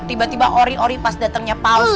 tiba tiba ori ori pas datangnya paus